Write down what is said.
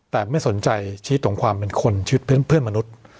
แต่ไม่สนใจชีวิตของความเป็นคนชีวิตเพื่อนมนุษย์